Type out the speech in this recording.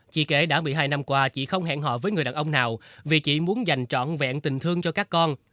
chị kể đã một mươi hai năm qua chị không hẹn họ với người đàn ông nào vì chị muốn dành trọn vẹn tình thương cho các con